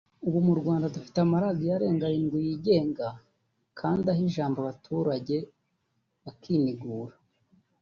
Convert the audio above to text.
Ubu mu Rwanda dufite amaradiyo arenga arindwi yigenga kandi aha ijambo abaturage bakinigura